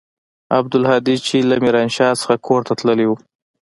عبدالهادي چې له ميرانشاه څخه کور ته تللى و.